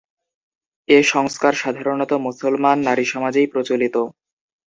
এ সংস্কার সাধারণত মুসলমান নারীসমাজেই প্রচলিত।